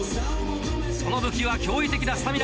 その武器は驚異的なスタミナ。